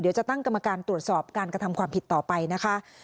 จะตั้งกรรมการตรวจสอบการกระทำความผิดต่อไปนะคะ